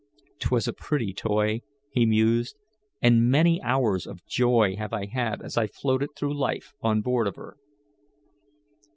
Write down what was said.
"'Twas a pretty toy," he mused, "and many hours of joy have I had as I floated through life on board of her."